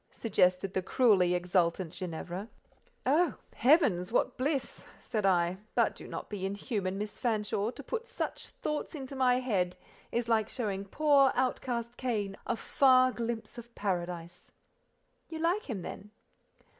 suggested the cruelly exultant Ginevra. "Oh! heavens, what bliss!" said I; "but do not be inhuman, Miss Fanshawe: to put such thoughts into my head is like showing poor outcast Cain a far, glimpse of Paradise." "You like him, then?"